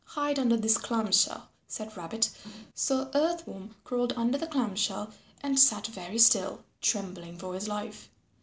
"Hide under this clam shell," said Rabbit. So Earth Worm crawled under the clam shell and sat very still, trembling for his life.